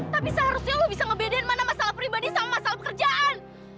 tapi seharusnya lo bisa ngebedain mana masalah pribadi sama masalah pekerjaan